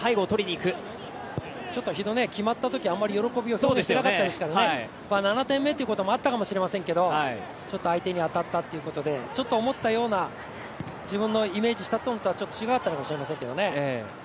日野、あんまり決まったときに喜びを表現していなかったですから７点目ということもあったかもしれませんけれどもちょっと相手に当たったっていうことで、思ったような自分のイメージしたと思ったのとは、違かったかもしれませんけどね